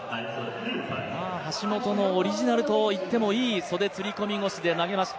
橋本のオリジナルといってもいい袖釣り込み腰で投げました。